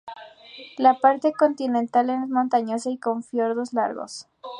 La parte continental es montañosa y con fiordos largos.